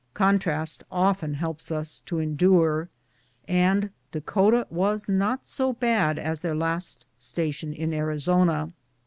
Contrast often helps us to endure, and Dakota was not so bad as their last sta tion in Arizona.